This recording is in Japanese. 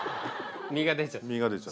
実が出ちゃった。